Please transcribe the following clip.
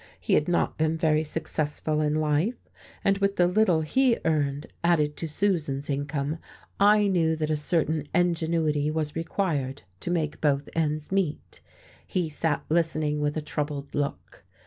He had not been very successful in life, and with the little he earned, added to Susan's income, I knew that a certain ingenuity was required to make both ends meet. He sat listening with a troubled look.